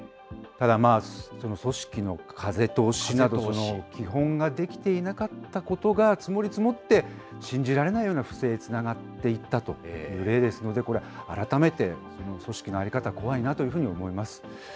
ただ、組織の風通しなどの基本ができていなかったことが積もり積もって、信じられないような不正につながっていったという例ですので、これ、改めてその組織の在り方、怖いなというふうに思います。